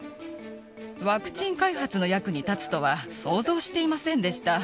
ワクチン開発の役に立つとは想像していませんでした。